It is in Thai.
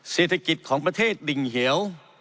เศรษฐกิจของประเทศดิ่งเหว